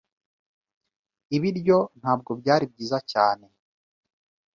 Ibiryo ntabwo byari byiza cyane.